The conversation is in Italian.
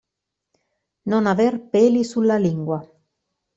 Non aver peli sulla lingua.